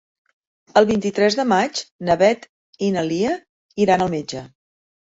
El vint-i-tres de maig na Beth i na Lia iran al metge.